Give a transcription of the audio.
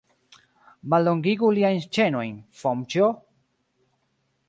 Mallongigu liajn ĉenojn, Fomĉjo!